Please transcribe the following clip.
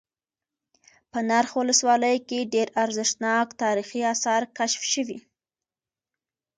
په نرخ ولسوالۍ كې ډېر ارزښتناك تاريخ آثار كشف شوي